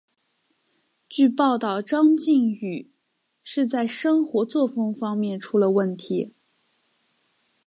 据报道张继禹是在生活作风方面出了问题。